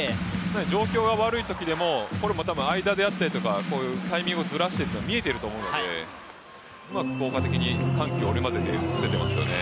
状況は悪いときでも間であったりとかタイミングをずらしたりというのも見えていると思うので、効果的に緩急織り交ぜて打てていますよね。